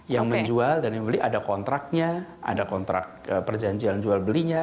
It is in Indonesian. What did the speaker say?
yang menjual dan yang membeli ada kontraknya ada kontrak perjanjian jual belinya